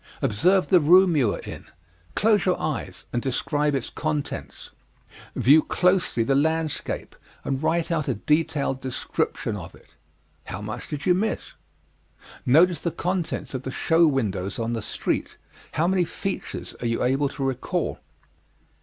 Observe the room you are in, close your eyes, and describe its contents. View closely the landscape, and write out a detailed description of it. How much did you miss? Notice the contents of the show windows on the street; how many features are you able to recall?